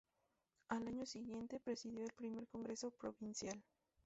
Al año siguiente, presidió el Primer Congreso Provincial.